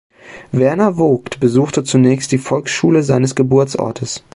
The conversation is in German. Werner Vogt besuchte zunächst die Volksschule seines Geburtsortes.